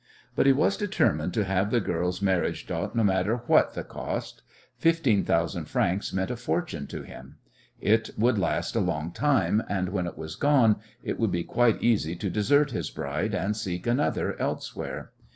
But he was determined to have the girl's marriage dot no matter what the cost. Fifteen thousand francs meant a fortune to him. It would last a long time, and when it was gone it would be quite easy to desert his bride, and seek another elsewhere.